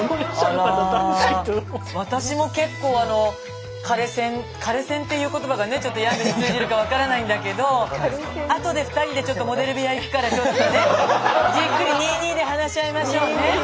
私も結構あの枯れ専っていう言葉がねちょっとヤングに通じるか分からないんだけどあとで２人でちょっとモデル部屋行くからちょっとねじっくり２・２で話し合いましょうね。